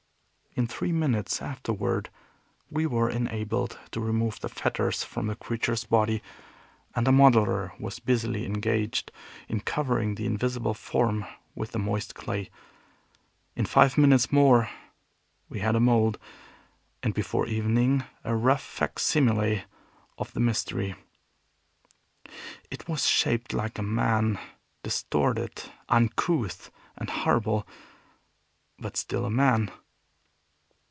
In three minutes afterward we were enabled to remove the fetters from the creature's body, and a modeler was busily engaged in covering the invisible form with the moist clay. In five minutes more we had a mold, and before evening a rough facsimile of the Mystery. It was shaped like a man distorted, uncouth, and horrible, but still a man.